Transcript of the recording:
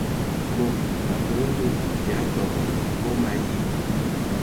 Mod abələ ngul ya tobɔ vom ayi.